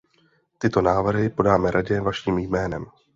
Tyto návrhy podáme Radě vaším jménem.